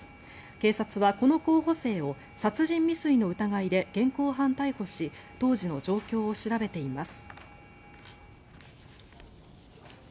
警察はこの候補生を殺人未遂の疑いで現行犯逮捕し当時の状況を調べています。